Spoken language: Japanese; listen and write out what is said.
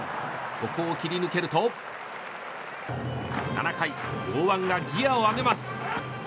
ここを切り抜けると７回、剛腕がギアを上げます。